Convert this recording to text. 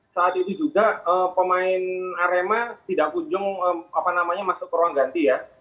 saat itu juga pemain arema tidak kunjung masuk ke ruang ganti ya